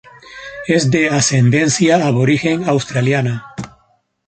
Es de ascendencia aborigen australiana.